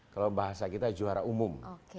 kalau bahasa kita juara umum